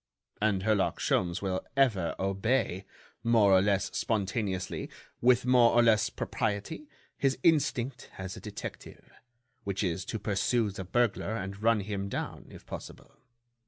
And Herlock Sholmes will ever obey, more or less spontaneously, with more or less propriety, his instinct as a detective, which is to pursue the burglar and run him down, if possible.